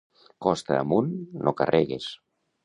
Costa amunt, no carregues.